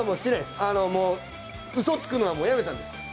うそをつくのはもうやめたんです。